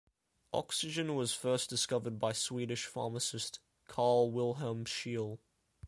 Oxygen was first discovered by Swedish pharmacist Carl Wilhelm Scheele.